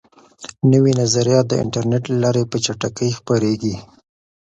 نوي نظریات د انټرنیټ له لارې په چټکۍ خپریږي.